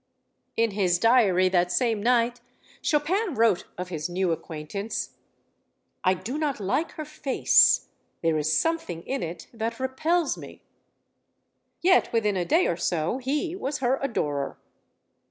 In his diary that same night Chopin wrote of his new acquaintance: I do not like her face. There is something in it that repels me. Yet within a day or so he was her adorer.